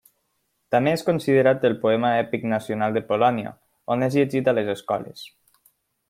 També és considerat el poema èpic nacional de Polònia, on és llegit a les escoles.